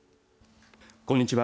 こんにちは。